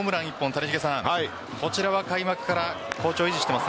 谷繁さん、こちらも開幕から好調を維持しています。